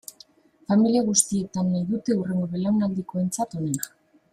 Familia guztietan nahi dute hurrengo belaunaldikoentzat onena.